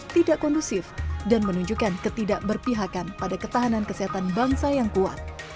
tidak kondusif dan menunjukkan ketidakberpihakan pada ketahanan kesehatan bangsa yang kuat